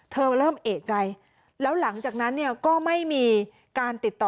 เริ่มเอกใจแล้วหลังจากนั้นเนี่ยก็ไม่มีการติดต่อ